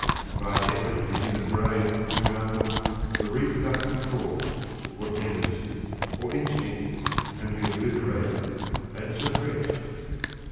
By an effort of the human brain, for example, the reproductive force, or tendency, or instinct, can be obliterated and suppressed.